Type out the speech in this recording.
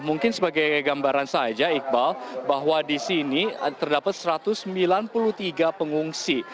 mungkin sebagai gambaran saja iqbal bahwa di sini terdapat satu ratus sembilan puluh tiga pengungsi